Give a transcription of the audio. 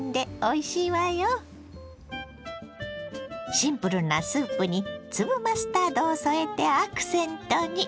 シンプルなスープに粒マスタードを添えてアクセントに。